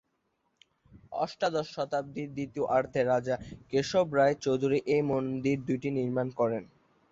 অষ্টাদশ শতাব্দীর দ্বিতীয়ার্ধে রাজা কেশবরায় চৌধুরী এই মন্দির দুইটি নির্মাণ করেন।